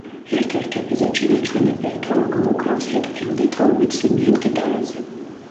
ერთ-ერთ ეპიზოდში ნაჩვენებია, თუ როგორ უკრავს ჰეტფილდი თორმეტ სიმიან გიტარაზე.